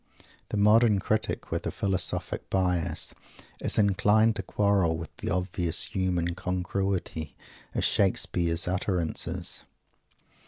The modern critic, with a philosophic bias, is inclined to quarrel with the obvious human congruity of Shakespeare's utterances.